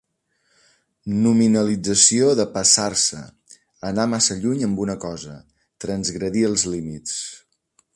Nominalització de 'passar-se', anar massa lluny amb una cosa, transgredir els límits.